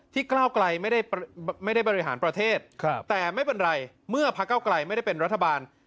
ก้าวไกลไม่ได้บริหารประเทศแต่ไม่เป็นไรเมื่อพระเก้าไกลไม่ได้เป็นรัฐบาล